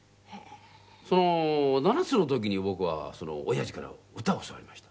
７つの時に僕は親父から歌を教わりました。